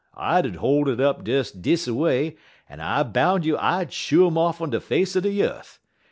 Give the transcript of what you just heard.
I 'ud hol' it up des dis a way, en I boun' you I'd shoo um off'n de face er de yeth.